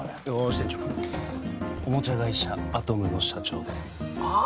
支店長おもちゃ会社アトムの社長ですああ！